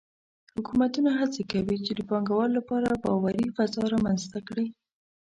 حکومتونه هڅه کوي چې د پانګهوالو لپاره باوري فضا رامنځته کړي.